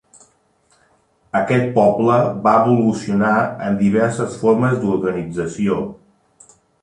Aquest poble va evolucionar en diverses formes d'organització.